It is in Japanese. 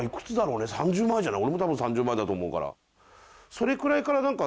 俺も多分３０前だと思うから。